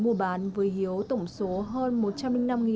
mua bán với hiếu tổng số hơn